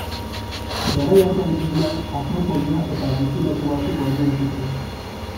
Garai hartan, hiriak akropolia eta bizileku batzuk baino ez zituen.